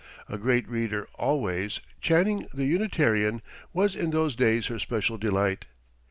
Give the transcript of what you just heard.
A great reader, always, Channing the Unitarian was in those days her special delight.